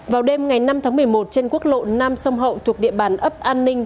vào đêm ngày năm tháng một mươi một trên quốc lộ năm sông hậu thuộc địa bàn ấp an ninh